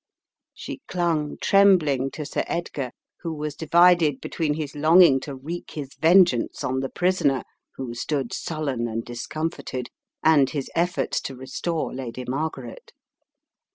She clung trembling to Sir Edgar, who was divided between his longing to wreak his • vengeance on the prisoner who stood su|len and dis comforted and his efforts to restore Lady Margaret.